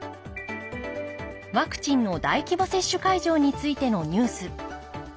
ワクチンの大規模接種会場についてのニュース。